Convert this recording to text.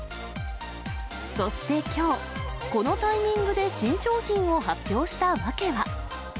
そしてきょう、このタイミングで新商品を発表した訳は。